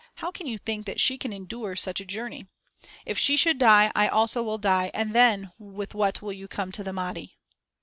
How can you think that she can endure such a journey? If she should die, I also will die, and then with what will you come to the Mahdi?"